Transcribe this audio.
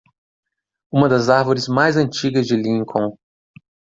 Uma das árvores mais antigas de Lincoln.